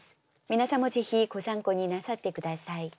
皆さんもぜひご参考になさって下さい。